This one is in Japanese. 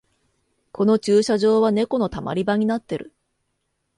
この駐車場はネコのたまり場になってる